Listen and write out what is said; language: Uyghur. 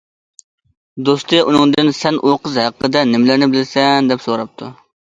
دوستى ئۇنىڭدىن سەن ئۇ قىز ھەققىدە نېمىلەرنى بىلىسەن؟ دەپ سوراپتۇ.